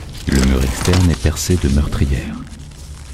Le mur externe est percé de meurtrières.